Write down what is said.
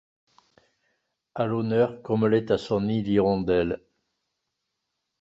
A l'honneur comme l'est à son nid l'hirondelle